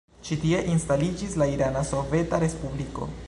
Ĉi-tie instaliĝis la Irana Soveta Respubliko.